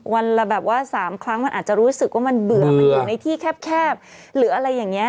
วันละแบบว่า๓ครั้งมันอาจจะรู้สึกว่ามันเบื่อมันอยู่ในที่แคบหรืออะไรอย่างนี้